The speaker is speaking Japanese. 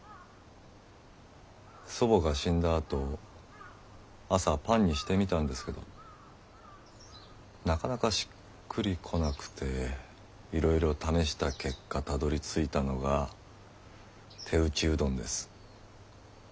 祖母が死んだあと朝パンにしてみたんですけどなかなかしっくりこなくていろいろ試した結果たどりついたのが手打ちうどんです。